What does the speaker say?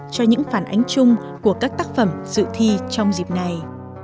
cho những phản ánh chung của các tác phẩm dự thi trong dịp này